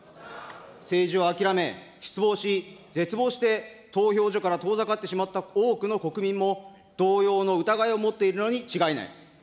政治を諦め、失望し、絶望して、投票所から遠ざかってしまった多くの国民も同様の疑いを持っているのに違いない。